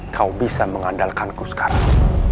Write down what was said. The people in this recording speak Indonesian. kau bisa mengandalkanku sekarang